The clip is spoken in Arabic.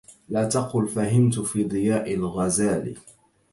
لا تقل همت في ضياء الغزال